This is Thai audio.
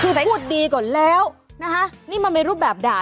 คือพูดดีก่อนแล้วนะคะนี่มันเป็นรูปแบบด่า